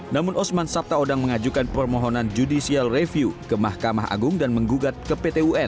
namun osman sabtaodang mengajukan permohonan judicial review ke mahkamah agung dan menggugat ke pt un